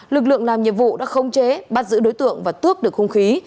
lực lượng làm nhiệm vụ đã khống chế bắt giữ đối tượng và tuốc được không khí